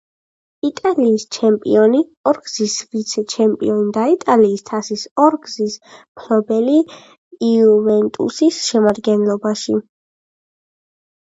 იტალიის ჩემპიონი, ორგზის ვიცე-ჩემპიონი და იტალიის თასის ორგზის მფლობელი „იუვენტუსის“ შემადგენლობაში.